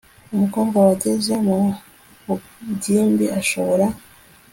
umukobwa wageze mu bugimbi ashobora